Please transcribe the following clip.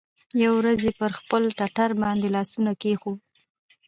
يوه ورځ يې پر خپل ټټر باندې لاس کښېښوو.